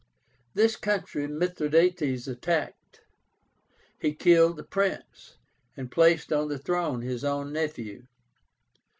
This country Mithradátes attacked. He killed the prince, and placed on the throne his own nephew.